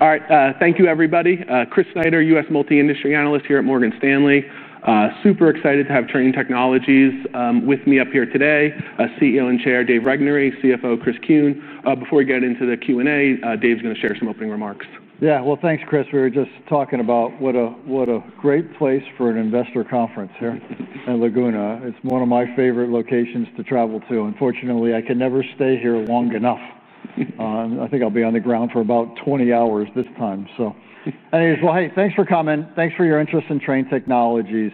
All right. Thank you, everybody. Chris Snyder, U.S. Multi-Industry Analyst here at Morgan Stanley. Super excited to have Trane Technologies with me up here today, CEO and Chair Dave Regnery, CFO Chris Kuehn. Before we get into the Q&A, Dave is going to share some opening remarks. Yeah, thanks, Chris. We were just talking about what a great place for an investor conference here in Laguna. It's one of my favorite locations to travel to. Unfortunately, I can never stay here long enough. I think I'll be on the ground for about 20 hours this time. Anyways, thanks for coming. Thanks for your interest in Trane Technologies.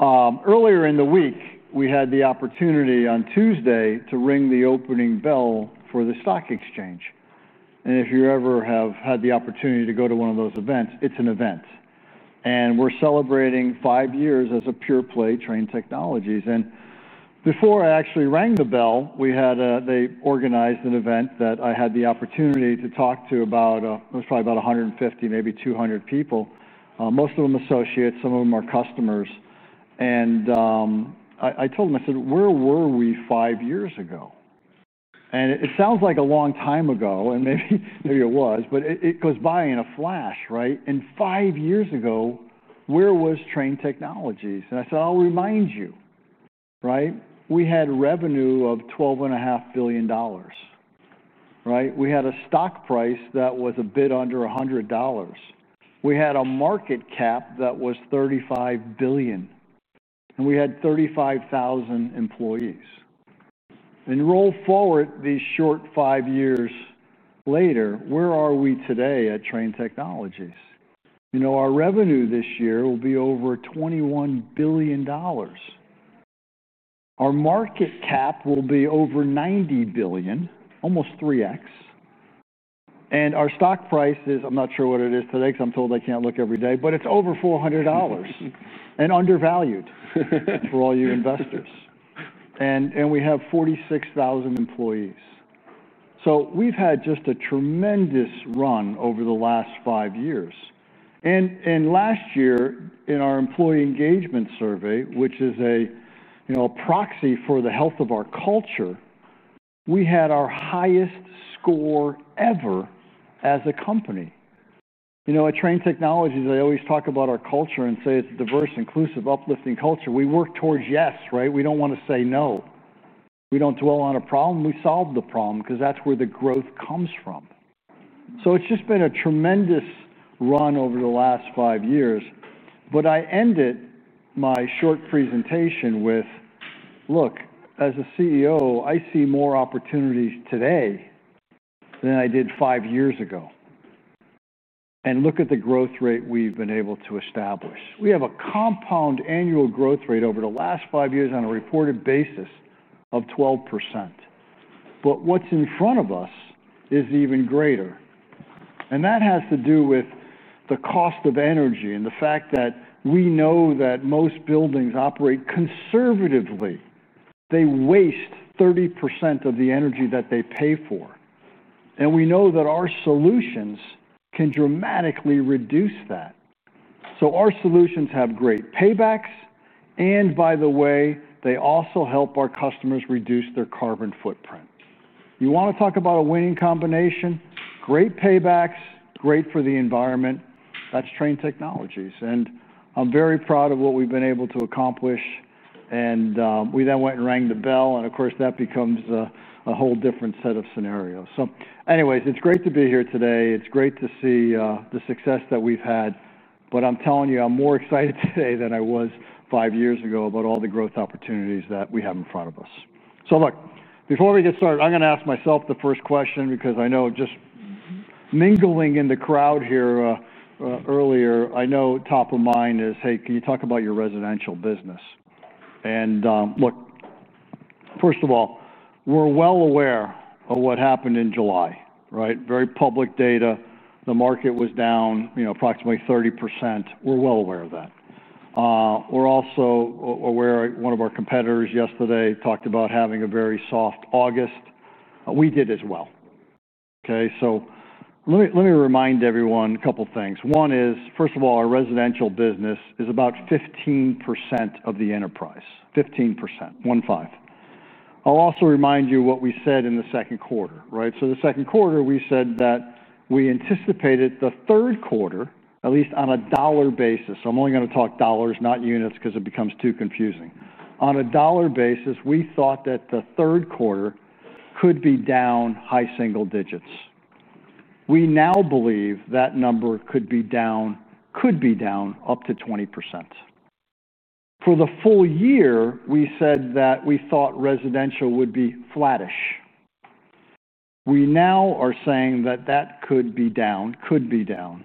Earlier in the week, we had the opportunity on Tuesday to ring the opening bell for the Stock Exchange. If you ever have had the opportunity to go to one of those events, it's an event. We're celebrating five years as a pure play Trane Technologies. Before I actually rang the bell, they organized an event that I had the opportunity to talk to about, it was probably about 150, maybe 200 people. Most of them associates, some of them are customers. I told them, I said, "Where were we five years ago?" It sounds like a long time ago, and maybe it was, but it goes by in a flash, right? Five years ago, where was Trane Technologies? I said, "I'll remind you." We had revenue of $12.5 billion. We had a stock price that was a bit under $100. We had a market cap that was $35 billion. We had 35,000 employees. Roll forward these short five years later, where are we today at Trane Technologies? Our revenue this year will be over $21 billion. Our market cap will be over $90 billion, almost 3x. Our stock price is, I'm not sure what it is today because I'm told I can't look every day, but it's over $400 and undervalued for all you investors. We have 46,000 employees. We've had just a tremendous run over the last five years. Last year, in our employee engagement survey, which is a proxy for the health of our culture, we had our highest score ever as a company. At Trane Technologies, I always talk about our culture and say it's a diverse, inclusive, uplifting culture. We work towards yes, right? We don't want to say no. We don't dwell on a problem. We solve the problem because that's where the growth comes from. It's just been a tremendous run over the last five years. I ended my short presentation with, "Look, as a CEO, I see more opportunities today than I did five years ago. Look at the growth rate we've been able to establish. We have a compound annual growth rate over the last five years on a reported basis of 12%. What's in front of us is even greater." That has to do with the cost of energy and the fact that we know that most buildings operate conservatively. They waste 30% of the energy that they pay for. We know that our solutions can dramatically reduce that. Our solutions have great paybacks. By the way, they also help our customers reduce their carbon footprint. You want to talk about a winning combination? Great paybacks, great for the environment. That's Trane Technologies. I'm very proud of what we've been able to accomplish. We then went and rang the bell. Of course, that becomes a whole different set of scenarios. Anyways, it's great to be here today. It's great to see the success that we've had. I'm more excited today than I was five years ago about all the growth opportunities that we have in front of us. Before we get started, I'm going to ask myself the first question because I know just mingling in the crowd here earlier, I know top of mind is, "Hey, can you talk about your residential business?" First of all, we're well aware of what happened in July, right? Very public data. The market was down approximately 30%. We're well aware of that. We're also aware of one of our competitors yesterday talked about having a very soft August. We did as well. Let me remind everyone a couple of things. One is, first of all, our residential business is about 15% of the enterprise. 15%, one five. I'll also remind you what we said in the second quarter, right? In the second quarter, we said that we anticipated the third quarter, at least on a dollar basis. I'm only going to talk dollars, not units, because it becomes too confusing. On a dollar basis, we thought that the third quarter could be down high single digits. We now believe that number could be down, could be down up to 20%. For the full year, we said that we thought residential would be flattish. We now are saying that that could be down, could be down.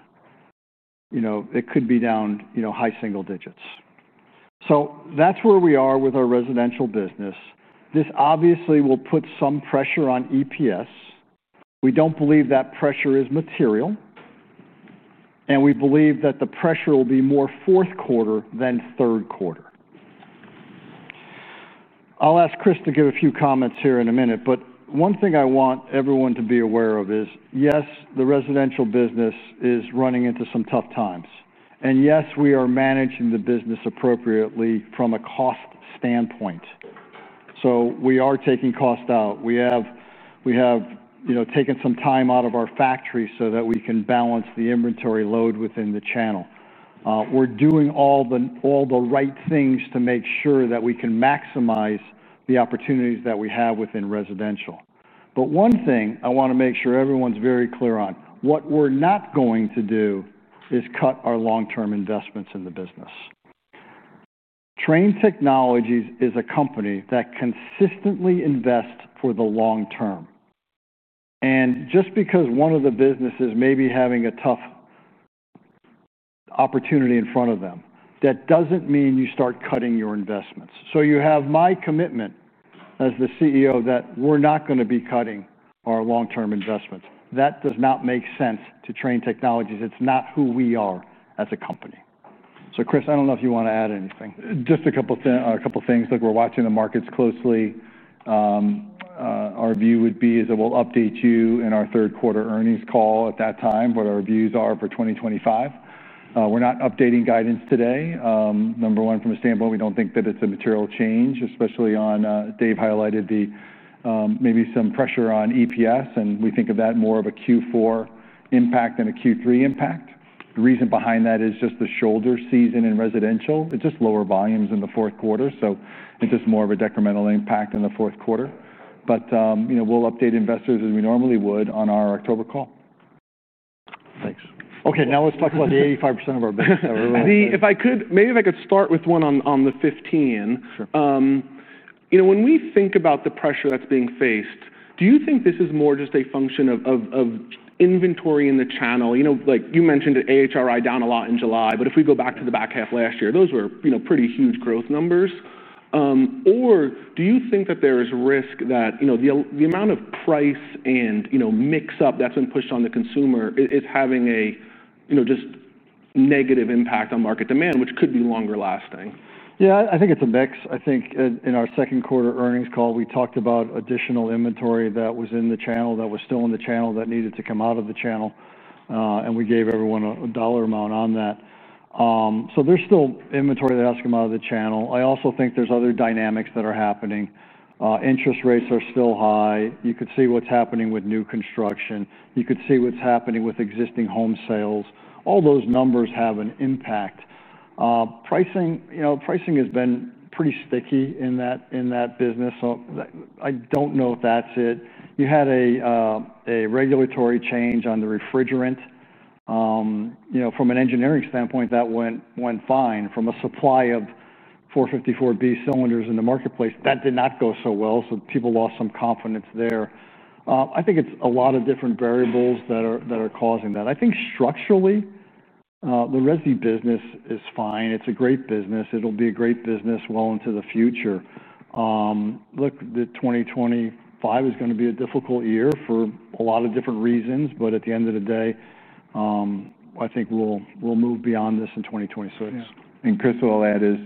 It could be down high single digits. That's where we are with our residential business. This obviously will put some pressure on EPS. We don't believe that pressure is material. We believe that the pressure will be more fourth quarter than third quarter. I'll ask Chris to give a few comments here in a minute. One thing I want everyone to be aware of is, yes, the residential business is running into some tough times. Yes, we are managing the business appropriately from a cost standpoint. We are taking cost out. We have taken some time out of our factory so that we can balance the inventory load within the channel. We're doing all the right things to make sure that we can maximize the opportunities that we have within residential. One thing I want to make sure everyone's very clear on, what we're not going to do is cut our long-term investments in the business. Trane Technologies is a company that consistently invests for the long term. Just because one of the businesses may be having a tough opportunity in front of them, that doesn't mean you start cutting your investments. You have my commitment as the CEO that we're not going to be cutting our long-term investments. That does not make sense to Trane Technologies. It's not who we are as a company. Chris, I don't know if you want to add anything. Just a couple of things. Look, we're watching the markets closely. Our view would be is that we'll update you in our third quarter earnings call at that time, what our views are for 2025. We're not updating guidance today. Number one, from a standpoint, we don't think that it's a material change, especially on Dave highlighted the maybe some pressure on EPS, and we think of that more of a Q4 impact than a Q3 impact. The reason behind that is just the shoulder season in residential. It's just lower volumes in the fourth quarter. It's just more of a detrimental impact in the fourth quarter. We'll update investors as we normally would on our October call. Thanks. Okay, now let's talk about the 85% of our business. Maybe if I could start with one on the 15. When we think about the pressure that's being faced, do you think this is more just a function of inventory in the channel? You mentioned AHRI down a lot in July, but if we go back to the back half last year, those were pretty huge growth numbers. Do you think that there is risk that the amount of price and mix-up that's been pushed on the consumer is having a just negative impact on market demand, which could be longer lasting? Yeah, I think it's a mix. I think in our second quarter earnings call, we talked about additional inventory that was in the channel that was still in the channel that needed to come out of the channel. We gave everyone a dollar amount on that. There's still inventory that has to come out of the channel. I also think there are other dynamics that are happening. Interest rates are still high. You could see what's happening with new construction. You could see what's happening with existing home sales. All those numbers have an impact. Pricing has been pretty sticky in that business. I don't know if that's it. You had a regulatory change on the refrigerant. You know, from an engineering standpoint, that went fine. From a supply of R-454B cylinders in the marketplace, that did not go so well. People lost some confidence there. I think it's a lot of different variables that are causing that. I think structurally, the resi business is fine. It's a great business. It'll be a great business well into the future. Look, 2025 is going to be a difficult year for a lot of different reasons. At the end of the day, I think we'll move beyond this in 2026. Chris, all that is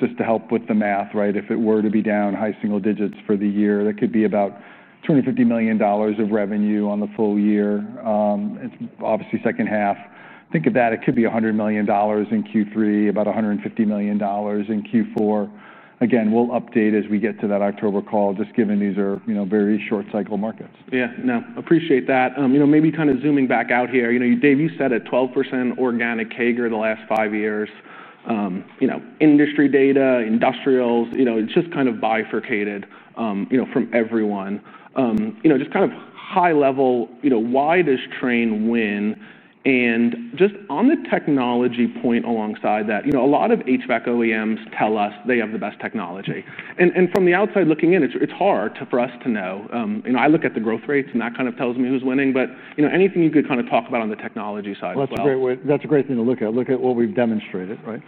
just to help with the math, right? If it were to be down high single digits for the year, that could be about $250 million of revenue on the full year. It's obviously second half. Think of that. It could be $100 million in Q3, about $150 million in Q4. Again, we'll update as we get to that October call, just given these are very short cycle markets. Yeah, no, appreciate that. Maybe kind of zooming back out here, Dave, you said a 12% organic CAGR the last five years. Industry data, industrials, it's just kind of bifurcated from everyone. Just kind of high level, why does Trane win? On the technology point alongside that, a lot of HVAC OEMs tell us they have the best technology. From the outside looking in, it's hard for us to know. I look at the growth rates and that kind of tells me who's winning. Anything you could kind of talk about on the technology side. That's a great thing to look at. Look at what we've demonstrated, right?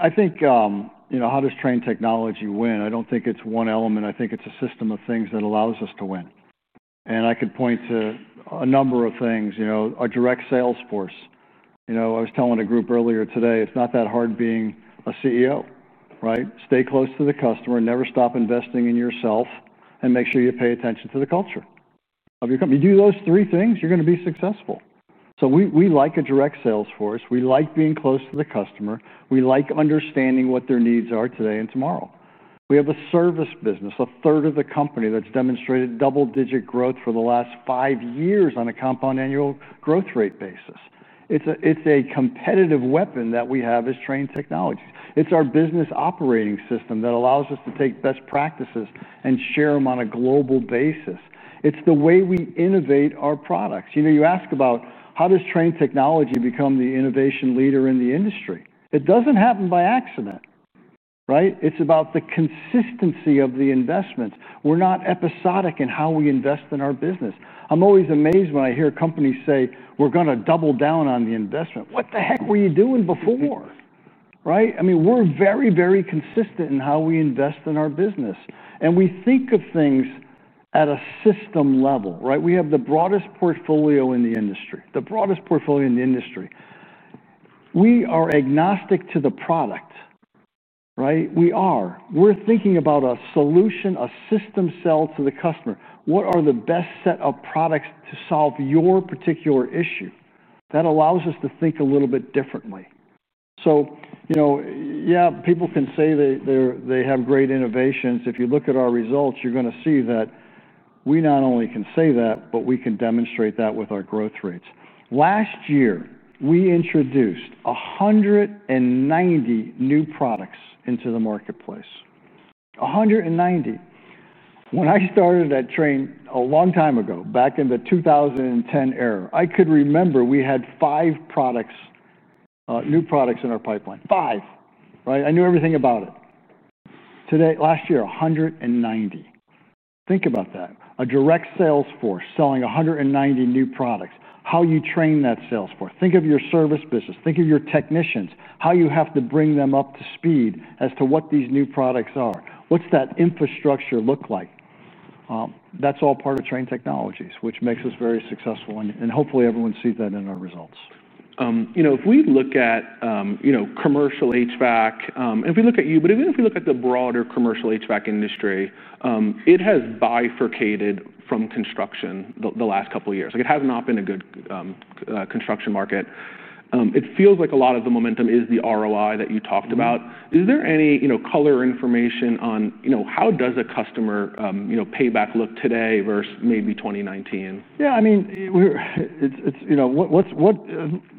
I think, you know, how does Trane Technologies win? I don't think it's one element. I think it's a system of things that allows us to win. I could point to a number of things. You know, our direct sales force. I was telling a group earlier today, it's not that hard being a CEO, right? Stay close to the customer, never stop investing in yourself, and make sure you pay attention to the culture of your company. You do those three things, you're going to be successful. We like a direct sales force. We like being close to the customer. We like understanding what their needs are today and tomorrow. We have a service business, a third of the company that's demonstrated double-digit growth for the last five years on a compound annual growth rate basis. It's a competitive weapon that we have as Trane Technologies. It's our business operating system that allows us to take best practices and share them on a global basis. It's the way we innovate our products. You know, you ask about how does Trane Technologies become the innovation leader in the industry. It doesn't happen by accident, right? It's about the consistency of the investments. We're not episodic in how we invest in our business. I'm always amazed when I hear companies say, "We're going to double down on the investment." What the heck were you doing before, right? I mean, we're very, very consistent in how we invest in our business. We think of things at a system level, right? We have the broadest portfolio in the industry, the broadest portfolio in the industry. We are agnostic to the product, right? We are. We're thinking about a solution, a system sell to the customer. What are the best set of products to solve your particular issue? That allows us to think a little bit differently. Yeah, people can say they have great innovations. If you look at our results, you're going to see that we not only can say that, but we can demonstrate that with our growth rates. Last year, we introduced 190 new products into the marketplace. 190. When I started at Trane a long time ago, back in the 2010 era, I could remember we had five products, new products in our pipeline. Five, right? I knew everything about it. Today, last year, 190. Think about that. A direct sales force selling 190 new products. How you train that sales force. Think of your service business. Think of your technicians. How you have to bring them up to speed as to what these new products are. What's that infrastructure look like? That's all part of Trane Technologies, which makes us very successful. Hopefully, everyone sees that in our results. If we look at commercial HVAC, and if we look at the broader commercial HVAC industry, it has bifurcated from construction the last couple of years. It has not been a good construction market. It feels like a lot of the momentum is the ROI that you talked about. Is there any color information on how does a customer payback look today versus maybe 2019? Yeah, I mean,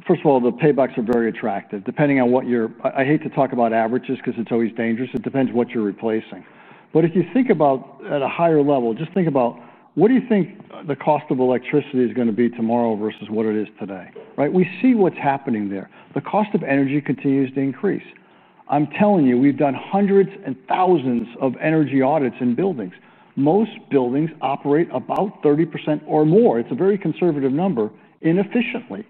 first of all, the paybacks are very attractive, depending on what you're, I hate to talk about averages because it's always dangerous. It depends what you're replacing. If you think about at a higher level, just think about what do you think the cost of electricity is going to be tomorrow versus what it is today, right? We see what's happening there. The cost of energy continues to increase. I'm telling you, we've done hundreds and thousands of energy audits in buildings. Most buildings operate about 30% or more. It's a very conservative number inefficiently.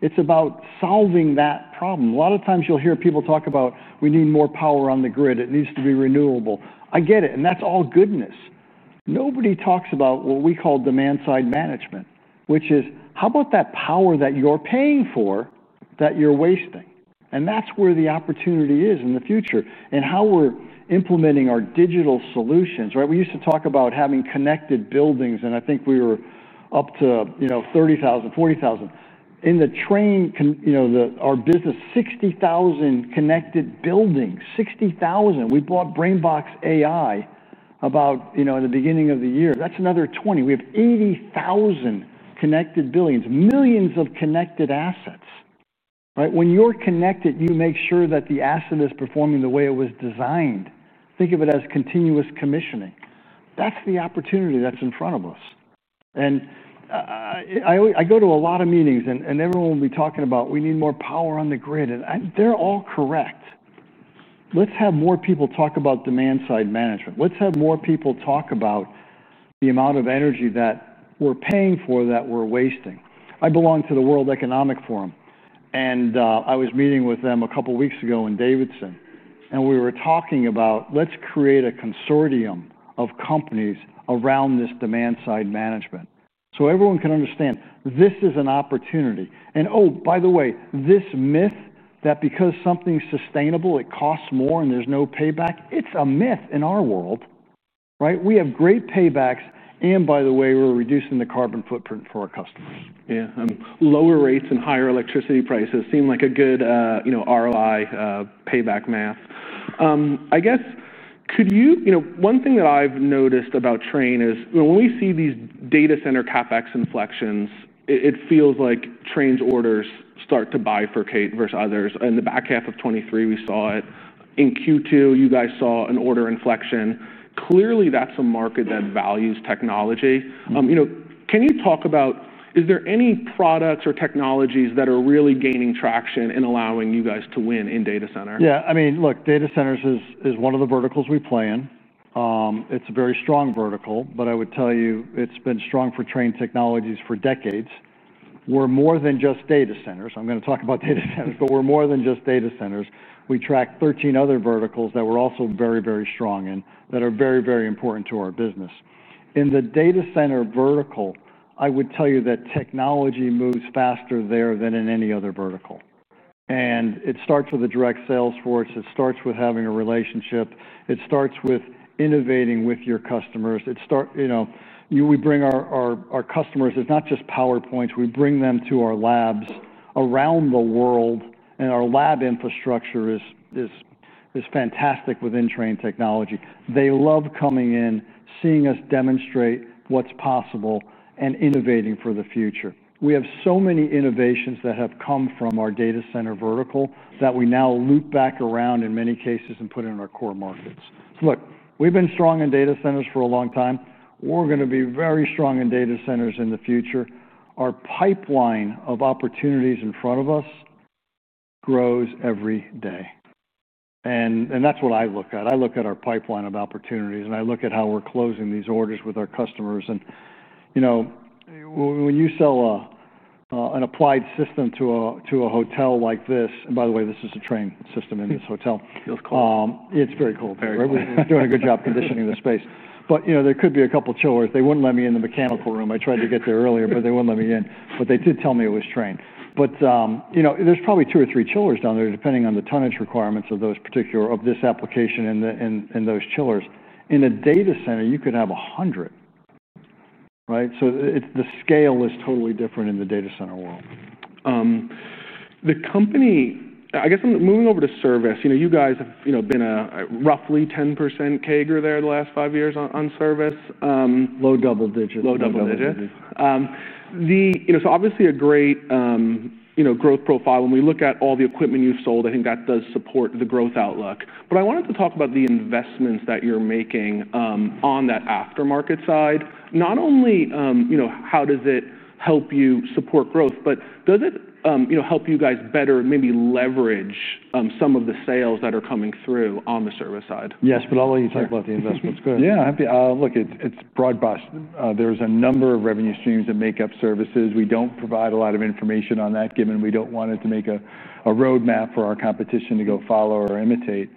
It's about solving that problem. A lot of times you'll hear people talk about we need more power on the grid. It needs to be renewable. I get it. That's all goodness. Nobody talks about what we call demand side management, which is how about that power that you're paying for that you're wasting? That's where the opportunity is in the future and how we're implementing our digital solutions, right? We used to talk about having connected buildings, and I think we were up to, you know, 30,000, 40,000 in the Trane, you know, our business, 60,000 connected buildings, 60,000. We bought BrainBox AI about, you know, in the beginning of the year. That's another 20. We have 80,000 connected buildings, millions of connected assets, right? When you're connected, you make sure that the asset is performing the way it was designed. Think of it as continuous commissioning. That's the opportunity that's in front of us. I go to a lot of meetings and everyone will be talking about we need more power on the grid. They're all correct. Let's have more people talk about demand side management. Let's have more people talk about the amount of energy that we're paying for that we're wasting. I belong to the World Economic Forum. I was meeting with them a couple of weeks ago in Davidson. We were talking about let's create a consortium of companies around this demand side management. Everyone can understand this is an opportunity. Oh, by the way, this myth that because something's sustainable, it costs more and there's no payback, it's a myth in our world, right? We have great paybacks. By the way, we're reducing the carbon footprint for our customers. Yeah, lower rates and higher electricity prices seem like a good, you know, ROI payback math. I guess, could you, you know, one thing that I've noticed about Trane Technologies is when we see these data center CapEx inflections, it feels like Trane Technologies' orders start to bifurcate versus others. In the back half of 2023, we saw it. In Q2, you guys saw an order inflection. Clearly, that's a market that values technology. You know, can you talk about, is there any products or technologies that are really gaining traction and allowing you guys to win in data centers? Yeah, I mean, look, data centers is one of the verticals we play in. It's a very strong vertical, but I would tell you it's been strong for Trane Technologies for decades. We're more than just data centers. I'm going to talk about data centers, but we're more than just data centers. We track 13 other verticals that we're also very, very strong in that are very, very important to our business. In the data center vertical, I would tell you that technology moves faster there than in any other vertical. It starts with a direct sales force. It starts with having a relationship. It starts with innovating with your customers. You know, we bring our customers, it's not just PowerPoints. We bring them to our labs around the world, and our lab infrastructure is fantastic within Trane Technologies. They love coming in, seeing us demonstrate what's possible and innovating for the future. We have so many innovations that have come from our data center vertical that we now loop back around in many cases and put it in our core markets. Look, we've been strong in data centers for a long time. We're going to be very strong in data centers in the future. Our pipeline of opportunities in front of us grows every day. That's what I look at. I look at our pipeline of opportunities, and I look at how we're closing these orders with our customers. You know, when you sell an applied system to a hotel like this, and by the way, this is a Trane system in this hotel. It feels cool. It's very cool. We're doing a good job conditioning the space. There could be a couple of chillers. They wouldn't let me in the mechanical room. I tried to get there earlier, but they wouldn't let me in. They did tell me it was Trane. There's probably two or three chillers down there, depending on the tonnage requirements of those particular applications and those chillers. In a data center, you could have 100. The scale is totally different in the data center world. The company, I guess I'm moving over to service. You know, you guys have been a roughly 10% CAGR there the last five years on service. Low double digits. Low double digits. Obviously a great growth profile. When we look at all the equipment you've sold, I think that does support the growth outlook. I wanted to talk about the investments that you're making on that aftermarket side. Not only how does it help you support growth, but does it help you guys better maybe leverage some of the sales that are coming through on the service side? Yes, I'll let you talk about the investments. Go ahead. Yeah, I'm happy. Look, it's broad-based. There's a number of revenue streams that make up services. We don't provide a lot of information on that, given we don't want it to make a roadmap for our competition to go follow or imitate.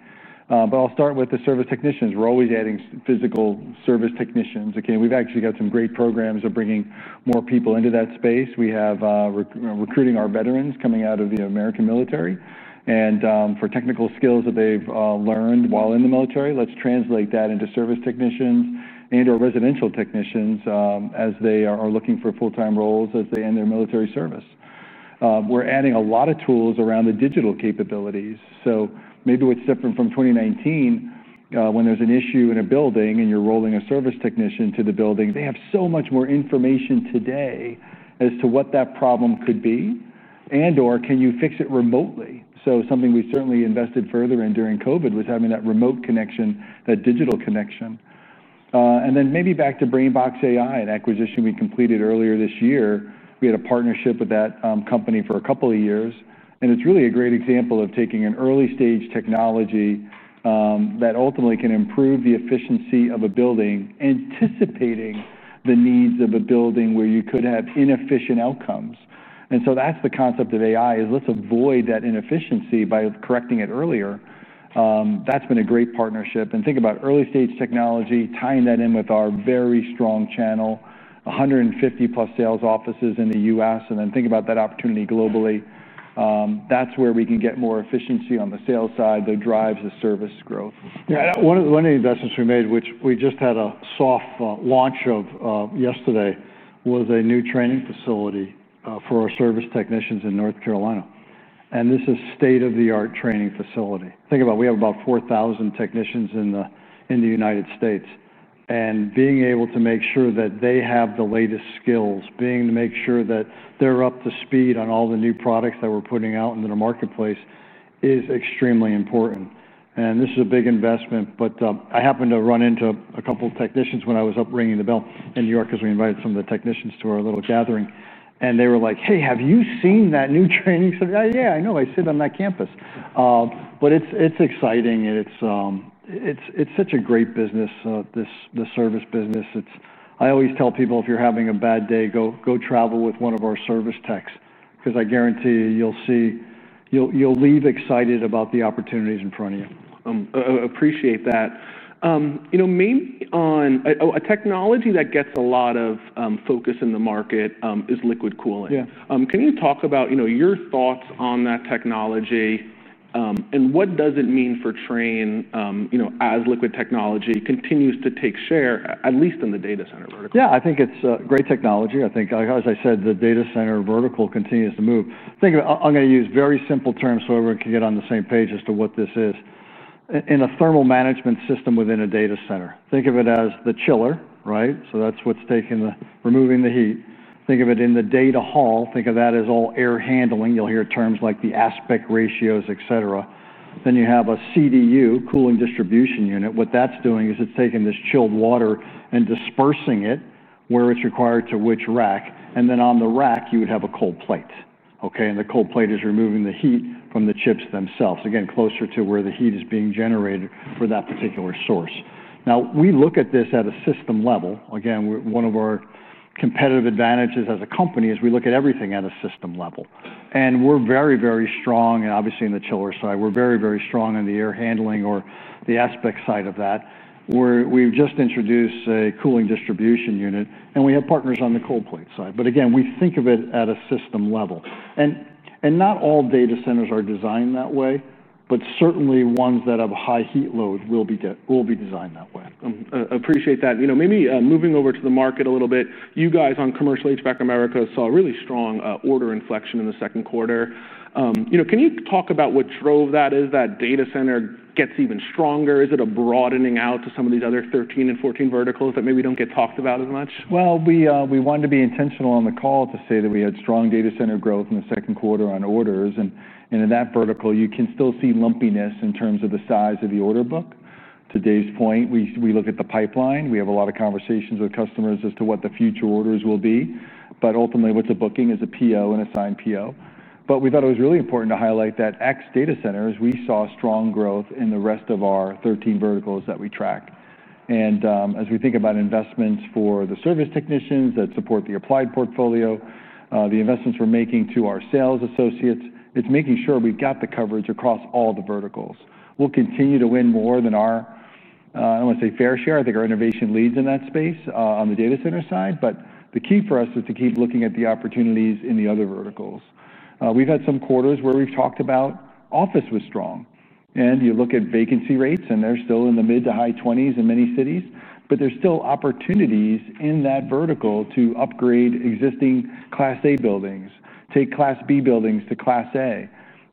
I'll start with the service technicians. We're always adding physical service technicians. We've actually got some great programs that are bringing more people into that space. We have recruiting our veterans coming out of the American military, and for technical skills that they've learned while in the military, let's translate that into service technicians and/or residential technicians as they are looking for full-time roles as they end their military service. We're adding a lot of tools around the digital capabilities. Maybe we'd step in from 2019, when there's an issue in a building and you're rolling a service technician to the building, they have so much more information today as to what that problem could be and/or can you fix it remotely. Something we certainly invested further in during COVID was having that remote connection, that digital connection. Maybe back to BrainBox AI, an acquisition we completed earlier this year. We had a partnership with that company for a couple of years. It's really a great example of taking an early-stage technology that ultimately can improve the efficiency of a building, anticipating the needs of a building where you could have inefficient outcomes. That's the concept of AI, let's avoid that inefficiency by correcting it earlier. That's been a great partnership. Think about early-stage technology, tying that in with our very strong channel, 150 plus sales offices in the U.S., and then think about that opportunity globally. That's where we can get more efficiency on the sales side that drives the service growth. Yeah, one of the investments we made, which we just had a soft launch of yesterday, was a new training facility for our service technicians in North Carolina. This is a state-of-the-art training facility. Think about it. We have about 4,000 technicians in the United States. Being able to make sure that they have the latest skills, being able to make sure that they're up to speed on all the new products that we're putting out into the marketplace is extremely important. This is a big investment. I happened to run into a couple of technicians when I was up ringing the bell in New York because we invited some of the technicians to our little gathering. They were like, "Hey, have you seen that new training?" I said, "Yeah, I know. I sit on that campus." It's exciting. It's such a great business, the service business. I always tell people, if you're having a bad day, go travel with one of our service techs because I guarantee you'll leave excited about the opportunities in front of you. Appreciate that. Mainly on a technology that gets a lot of focus in the market is liquid cooling. Can you talk about your thoughts on that technology and what does it mean for Trane as liquid technology continues to take share, at least in the data center vertical? Yeah, I think it's a great technology. I think, as I said, the data center vertical continues to move. Think about, I'm going to use very simple terms so everyone can get on the same page as to what this is. In a thermal management system within a data center, think of it as the chiller, right? That's what's taking the, removing the heat. Think of it in the data hall. Think of that as all air handling. You'll hear terms like the aspect ratios, et cetera. You have a CDU, cooling distribution unit. What that's doing is it's taking this chilled water and dispersing it where it's required to which rack. On the rack, you would have a cold plate. OK, and the cold plate is removing the heat from the chips themselves. Again, closer to where the heat is being generated for that particular source. We look at this at a system level. One of our competitive advantages as a company is we look at everything at a system level. We're very, very strong and obviously in the chiller side. We're very, very strong in the air handling or the aspect side of that. We've just introduced a cooling distribution unit. We have partners on the cold plate side. We think of it at a system level. Not all data centers are designed that way, but certainly ones that have a high heat load will be designed that way. Appreciate that. Maybe moving over to the market a little bit, you guys on commercial HVAC America saw a really strong order inflection in the second quarter. Can you talk about what drove that? Is that data center gets even stronger? Is it a broadening out to some of these other 13 and 14 verticals that maybe don't get talked about as much? We wanted to be intentional on the call to say that we had strong data center growth in the second quarter on orders. In that vertical, you can still see lumpiness in terms of the size of the order book. To Dave's point, we look at the pipeline. We have a lot of conversations with customers as to what the future orders will be. Ultimately, what's a booking is a PO and a signed PO. We thought it was really important to highlight that excluding data centers, we saw strong growth in the rest of our 13 verticals that we track. As we think about investments for the service technicians that support the applied portfolio, the investments we're making to our sales associates, it's making sure we've got the coverage across all the verticals. We'll continue to win more than our, I don't want to say fair share. I think our innovation leads in that space on the data center side. The key for us is to keep looking at the opportunities in the other verticals. We've had some quarters where we've talked about office was strong. You look at vacancy rates, and they're still in the mid to high 20% in many cities. There's still opportunities in that vertical to upgrade existing Class A buildings, take Class B buildings to Class A.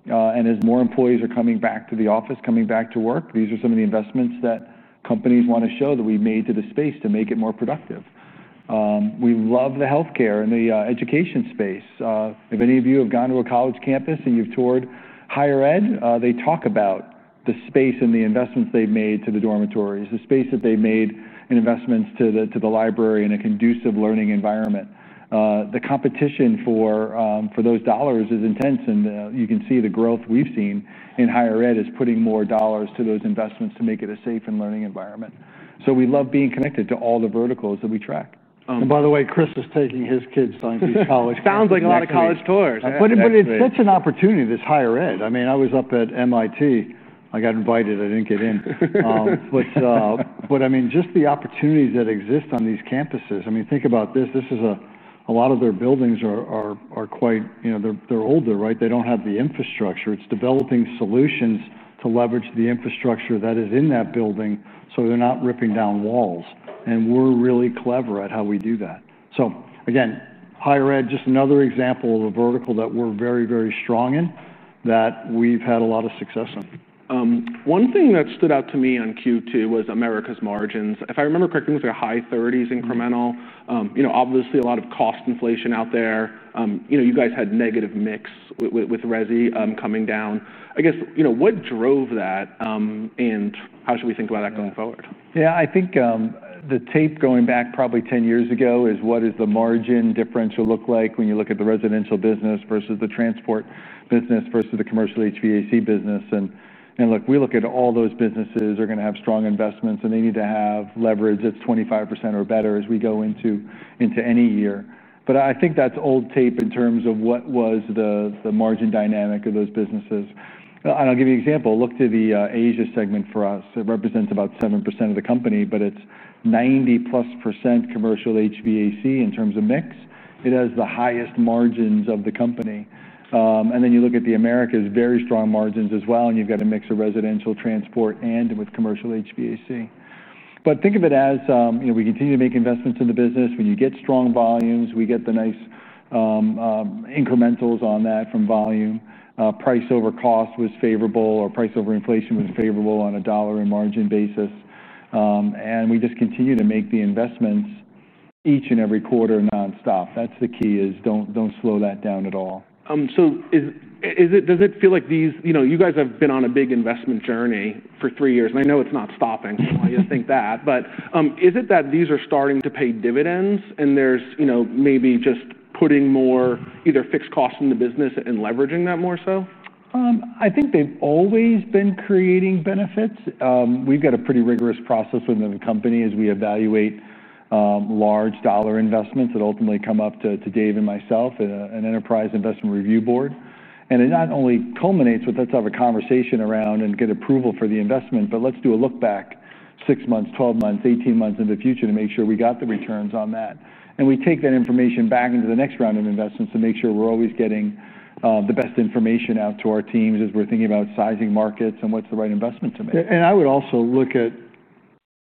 As more employees are coming back to the office, coming back to work, these are some of the investments that companies want to show that we made to the space to make it more productive. We love the health care and the education space. If any of you have gone to a college campus and you've toured higher ed, they talk about the space and the investments they've made to the dormitories, the space that they've made in investments to the library and a conducive learning environment. The competition for those dollars is intense. You can see the growth we've seen in higher ed is putting more dollars to those investments to make it a safe and learning environment. We love being connected to all the verticals that we track. By the way, Chris is taking his kids to college. Sounds like a lot of college tours. It's such an opportunity, this higher ed. I mean, I was up at MIT. I got invited. I didn't get in. I mean, just the opportunities that exist on these campuses. Think about this. A lot of their buildings are quite, you know, they're older, right? They don't have the infrastructure. It's developing solutions to leverage the infrastructure that is in that building so they're not ripping down walls. We're really clever at how we do that. Higher ed is just another example of a vertical that we're very, very strong in that we've had a lot of success in. One thing that stood out to me on Q2 was America's margins. If I remember correctly, it was a high 30% incremental. Obviously, a lot of cost inflation out there. You guys had negative mix with resi coming down. I guess what drove that, and how should we think about that going forward? Yeah, I think the tape going back probably 10 years ago is what does the margin differential look like when you look at the residential business versus the transport business versus the commercial HVAC business? Look, we look at all those businesses that are going to have strong investments, and they need to have leverage that's 25% or better as we go into any year. I think that's old tape in terms of what was the margin dynamic of those businesses. I'll give you an example. Look to the Asia segment for us. It represents about 7% of the company, but it's 90% plus commercial HVAC in terms of mix. It has the highest margins of the company. You look at the Americas, very strong margins as well, and you've got a mix of residential, transport, and commercial HVAC. Think of it as we continue to make investments in the business. When you get strong volumes, we get the nice incrementals on that from volume. Price over cost was favorable, or price over inflation was favorable on a dollar in margin basis. We just continue to make the investments each and every quarter nonstop. That's the key, don't slow that down at all. Does it feel like these, you know, you guys have been on a big investment journey for three years, and I know it's not stopping. I just think that. Is it that these are starting to pay dividends and there's, you know, maybe just putting more either fixed costs in the business and leveraging that more so? I think they've always been creating benefits. We've got a pretty rigorous process within the company as we evaluate large dollar investments that ultimately come up to Dave and myself in an enterprise investment review board. It not only culminates with, let's have a conversation around and get approval for the investment, but let's do a look back 6 months, 12 months, 18 months in the future to make sure we got the returns on that. We take that information back into the next round of investments to make sure we're always getting the best information out to our teams as we're thinking about sizing markets and what's the right investment to make. I would also look at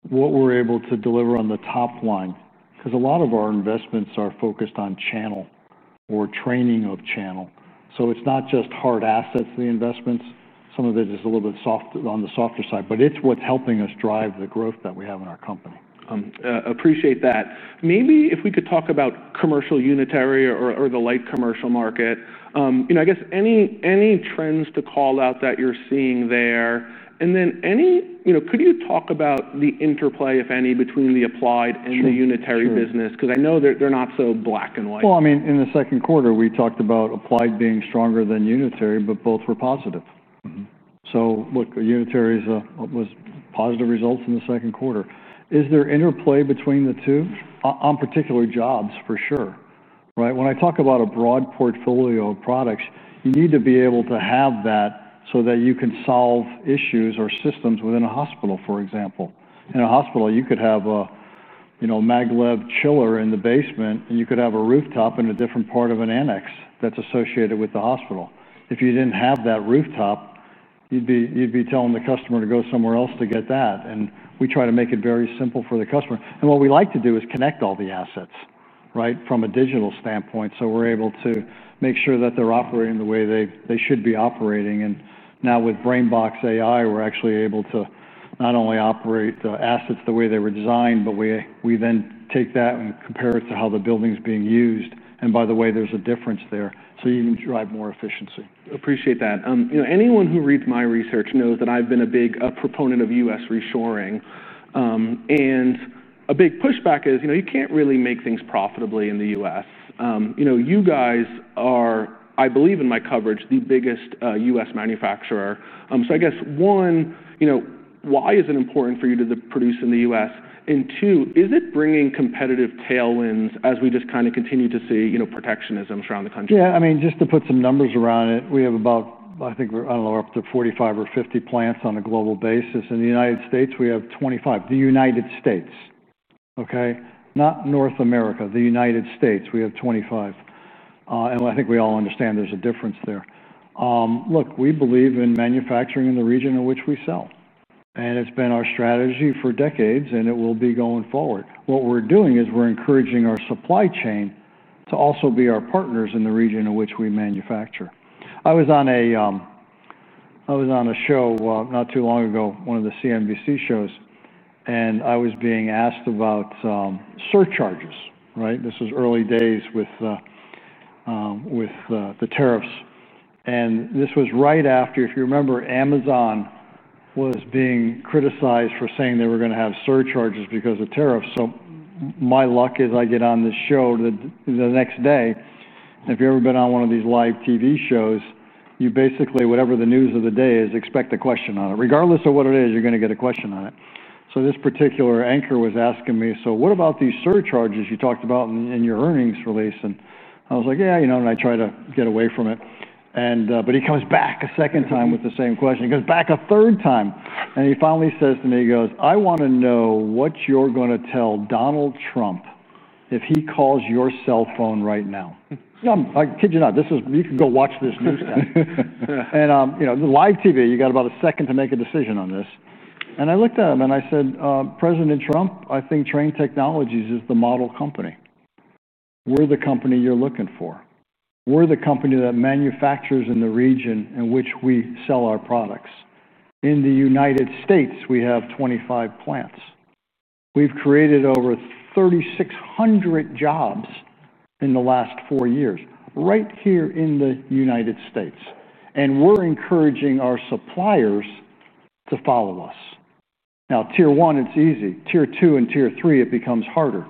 what we're able to deliver on the top line, because a lot of our investments are focused on channel or training of channel. It's not just hard assets, the investments. Some of it is a little bit on the softer side, but it's what's helping us drive the growth that we have in our company. Appreciate that. Maybe if we could talk about commercial unitary or the light commercial market. I guess any trends to call out that you're seeing there. Could you talk about the interplay, if any, between the applied and the unitary business? I know they're not so black and white. In the second quarter, we talked about applied being stronger than unitary, but both were positive. Unitary was positive results in the second quarter. Is there interplay between the two? On particular jobs, for sure. When I talk about a broad portfolio of products, you need to be able to have that so that you can solve issues or systems within a hospital, for example. In a hospital, you could have a, you know, MagLab chiller in the basement, and you could have a rooftop in a different part of an annex that's associated with the hospital. If you didn't have that rooftop, you'd be telling the customer to go somewhere else to get that. We try to make it very simple for the customer. What we like to do is connect all the assets, right, from a digital standpoint. We're able to make sure that they're operating the way they should be operating. Now with BrainBox AI, we're actually able to not only operate the assets the way they were designed, but we then take that and compare it to how the building is being used. By the way, there's a difference there. You can drive more efficiency. Appreciate that. Anyone who reads my research knows that I've been a big proponent of U.S. reshoring. A big pushback is, you can't really make things profitably in the U.S. You guys are, I believe, in my coverage, the biggest U.S. manufacturer. I guess, one, why is it important for you to produce in the U.S.? Two, is it bringing competitive tailwinds as we just kind of continue to see protectionisms around the country? Yeah, I mean, just to put some numbers around it, we have about, I think we're, I don't know, up to 45 or 50 plants on a global basis. In the United States, we have 25. The United States, OK? Not North America, the United States, we have 25. I think we all understand there's a difference there. Look, we believe in manufacturing in the region in which we sell. It's been our strategy for decades, and it will be going forward. What we're doing is we're encouraging our supply chain to also be our partners in the region in which we manufacture. I was on a show not too long ago, one of the CNBC shows, and I was being asked about surcharges, right? This was early days with the tariffs. This was right after, if you remember, Amazon was being criticized for saying they were going to have surcharges because of tariffs. My luck is I get on this show the next day. If you've ever been on one of these live TV shows, you basically, whatever the news of the day is, expect a question on it. Regardless of what it is, you're going to get a question on it. This particular anchor was asking me, what about these surcharges you talked about in your earnings release? I was like, yeah, you know, and I try to get away from it. He comes back a second time with the same question. He comes back a third time. He finally says to me, he goes, I want to know what you're going to tell Donald Trump if he calls your cell phone right now. I kid you not, you can go watch this news now. You know, live TV, you got about a second to make a decision on this. I looked at him and I said, President Trump, I think Trane Technologies is the model company. We're the company you're looking for. We're the company that manufactures in the region in which we sell our products. In the United States, we have 25 plants. We've created over 3,600 jobs in the last four years right here in the United States. We're encouraging our suppliers to follow us. Now, tier one, it's easy. Tier two and tier three, it becomes harder.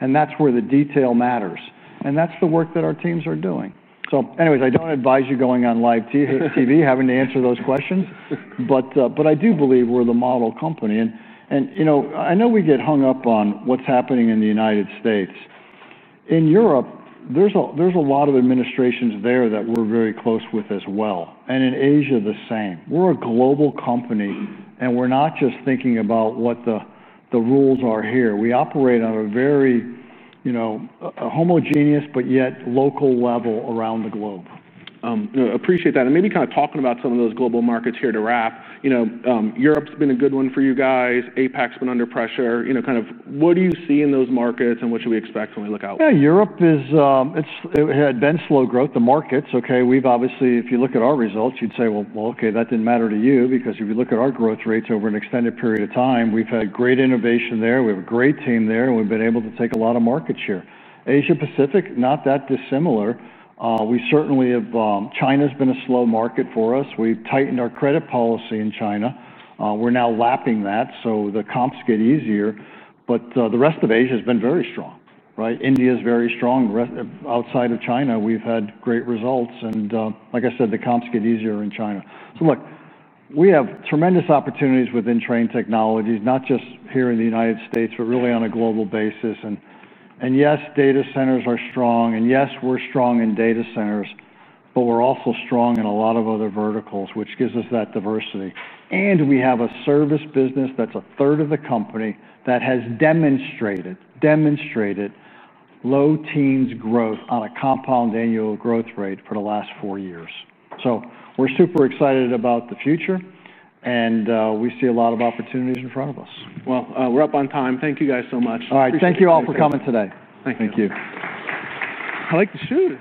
That's where the detail matters. That's the work that our teams are doing. I don't advise you going on live TV, having to answer those questions. I do believe we're the model company. I know we get hung up on what's happening in the United States. In Europe, there's a lot of administrations there that we're very close with as well. In Asia, the same. We're a global company. We are not just thinking about what the rules are here. We operate on a very, you know, homogeneous, but yet local level around the globe. Appreciate that. Maybe kind of talking about some of those global markets here to wrap. You know, Europe's been a good one for you guys. APAC's been under pressure. You know, kind of what do you see in those markets and what should we expect when we look out? Europe had been slow growth, the markets. OK, if you look at our results, you'd say, OK, that didn't matter to you because if you look at our growth rates over an extended period of time, we've had great innovation there. We have a great team there, and we've been able to take a lot of market share. Asia-Pacific, not that dissimilar. We certainly have, China's been a slow market for us. We've tightened our credit policy in China. We're now lapping that, so the comps get easier. The rest of Asia has been very strong, right? India is very strong. Outside of China, we've had great results. Like I said, the comps get easier in China. Look, we have tremendous opportunities within Trane Technologies, not just here in the United States, but really on a global basis. Yes, data centers are strong, and yes, we're strong in data centers. We're also strong in a lot of other verticals, which gives us that diversity. We have a service business that's a third of the company that has demonstrated low teens growth on a compound annual growth rate for the last four years. We're super excited about the future, and we see a lot of opportunities in front of us. We're up on time. Thank you guys so much. All right, thank you all for coming today. Thank you. Thank you. I like the shoe.